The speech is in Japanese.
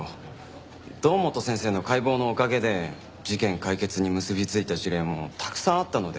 堂本先生の解剖のおかげで事件解決に結びついた事例もたくさんあったので。